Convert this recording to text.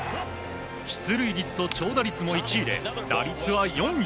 出塁率と長打率も１位で打率は４位。